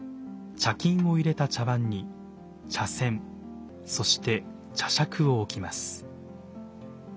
茶巾を入れた茶碗に茶筅そして茶杓を置きます。